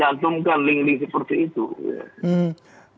ada mencantumkan link link seperti itu